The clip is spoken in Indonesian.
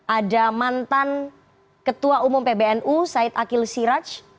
ada mantan ketua umum pbnu said akil siraj